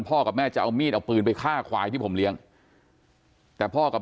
กับแม่จะเอามีดเอาปืนไปฆ่าควายที่ผมเลี้ยงแต่พ่อกับ